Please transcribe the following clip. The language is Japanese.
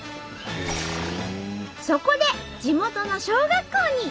そこで地元の小学校に。